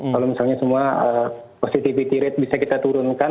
kalau misalnya semua positivity rate bisa kita turunkan